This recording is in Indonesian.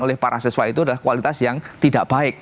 oleh para siswa itu adalah kualitas yang tidak baik